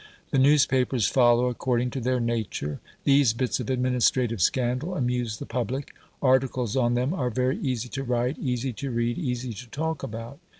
The newspapers follow according to their nature. These bits of administrative scandal amuse the public. Articles on them are very easy to write, easy to read, easy to talk about.